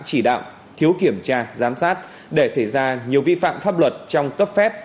chỉ đạo thiếu kiểm tra giám sát để xảy ra nhiều vi phạm pháp luật trong cấp phép